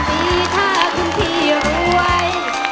ไม่รู้ความ